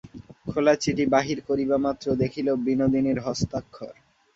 খোলা চিঠি বাহির করিবামাত্র দেখিল, বিনোদিনীর হস্তাক্ষর।